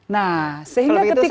nah sehingga ketika dia